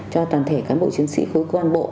cho toàn thể cán bộ chiến sĩ khối quan bộ